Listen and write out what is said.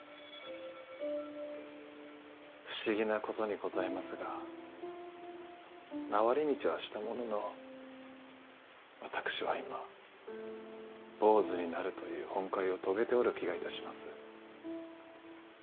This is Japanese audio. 不思議なことにございますが回り道はしたものの私は今坊主になるという本懐を遂げておる気がいたします。